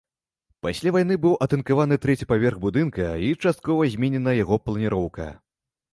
Пасля вайны быў атынкаваны трэці паверх будынка і часткова зменена яго планіроўка.